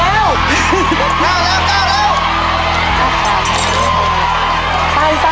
ใส่เร็วไปไปไปนะครับ